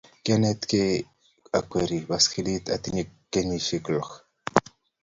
Kianetkei tukchekiwerie poskilit atinye kenyisike lok.